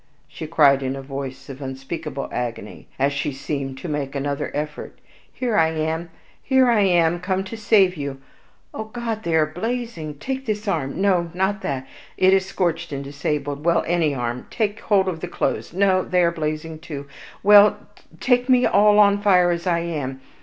she cried in a voice of unspeakable agony, as she seemed to make another effort; "here I am here I am come to save you. Oh God! They are all blazing! Take this arm no, not that, it is scorched and disabled well, any arm take hold of my clothes no, they are blazing too! Well, take me all on fire as I am!